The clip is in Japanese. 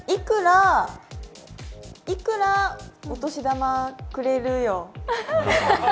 いくらお年玉くれるよ？